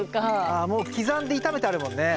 ああもう刻んで炒めてあるもんね。